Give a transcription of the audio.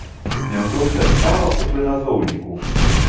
Няўжо ўся справа ў прыназоўніку?